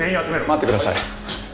待ってください。